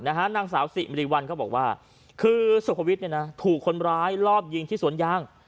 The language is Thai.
นางสาวสิริวัลก็บอกว่าคือสุขวิทย์ถูกคนร้ายรอบยิงที่สวนยาง